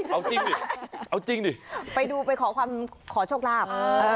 เอาจริงดิเอาจริงดิไปดูไปขอโชคลาภ